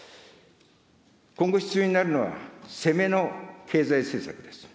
今後必要になるのは、攻めの経済政策です。